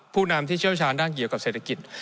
นำที่เชี่ยวชาญด้านเกี่ยวกับเศรษฐกิจ